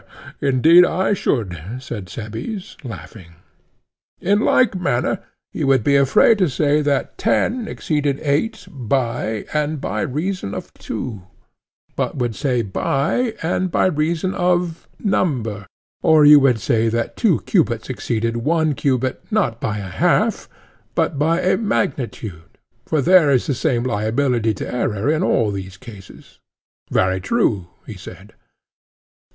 Indeed, I should, said Cebes, laughing. In like manner you would be afraid to say that ten exceeded eight by, and by reason of, two; but would say by, and by reason of, number; or you would say that two cubits exceed one cubit not by a half, but by magnitude? for there is the same liability to error in all these cases. Very true, he said.